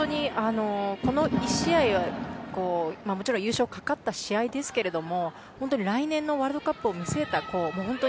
この１試合は、もちろん優勝がかかった試合ですけども来年のワールドカップを見据えた。